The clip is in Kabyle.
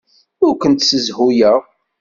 Ur kent-ssezhuyeɣ.